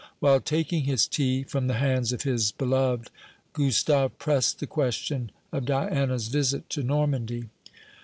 While taking his tea from the hands of his beloved, Gustave pressed the question of Diana's visit to Normandy.